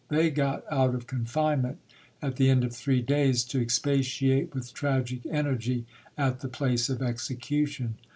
They got out of confinement, at the end of three days, to expatiate with tragic energy at the place of execution.